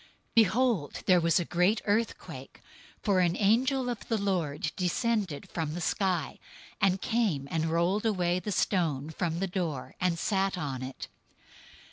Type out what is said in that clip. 028:002 Behold, there was a great earthquake, for an angel of the Lord descended from the sky, and came and rolled away the stone from the door, and sat on it.